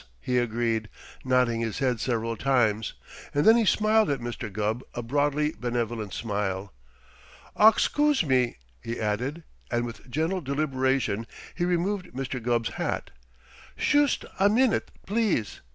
he agreed, nodding his head several times, and then he smiled at Mr. Gubb a broadly benevolent smile. "Oxcoose me!" he added, and with gentle deliberation he removed Mr. Gubb's hat. "Shoost a minute, please!"